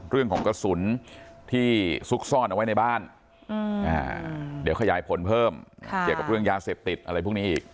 เรื่องของกระสุนที่ซุกซ่อนเอาไว้ในบ้านเดี๋ยวขยายผลเพิ่มเกี่ยวกับเรื่องยาเสพติดอะไรพวกนี้อีก